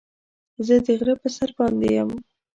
زه د غره په سر باندې يم.